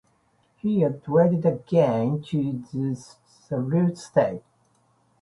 He was traded again, to the Sault Ste.